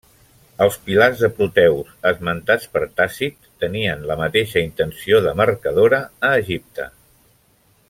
Els pilars de Proteus, esmentats per Tàcit, tenien la mateixa intenció demarcadora a Egipte.